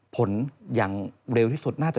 ผลอย่างเร็วที่สุดน่าจะ